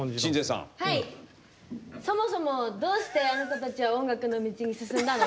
そもそもどうしてあなたたちは音楽の道に進んだの？